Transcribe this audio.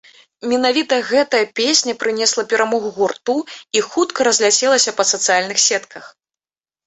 Менавіта гэтая песня прынесла перамогу гурту і хутка разляцелася па сацыяльных сетках.